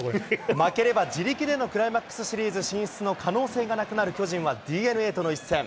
負ければ自力でのクライマックスシリーズ進出の可能性がなくなる巨人は、ＤｅＮＡとの一戦。